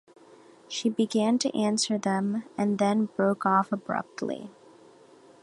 She began to answer them, and then broke off abruptly.